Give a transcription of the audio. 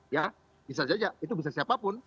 ya bisa saja itu bisa siapapun